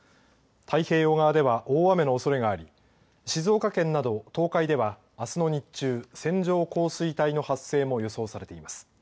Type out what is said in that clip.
太平洋側では大雨のおそれがあり静岡県など東海ではあすの日中線状降水帯の発生も予想されています。